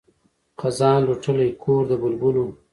خزان لوټلی کور د بلبلو